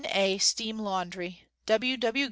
A. Steam Laundry W. W.